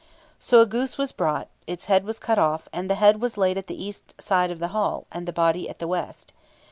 So a goose was brought; its head was cut off; and the head was laid at the east side of the hall, and the body at the west.